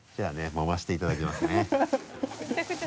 もましていただきますね。